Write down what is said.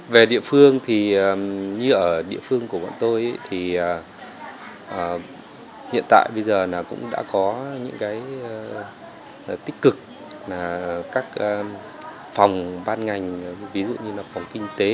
về địa phương thì như ở địa phương của bọn tôi thì hiện tại bây giờ là cũng đã có những cái tích cực là các phòng ban ngành ví dụ như là phòng kinh tế